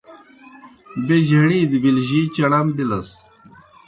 بیْہ جھڑی دہ بِلجِی چڑم بِلَس۔